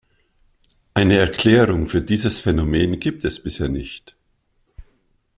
Eine Erklärung für dieses Phänomen gibt es bisher nicht.